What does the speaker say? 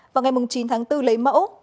vào ngày chín tháng bốn lấy mẫu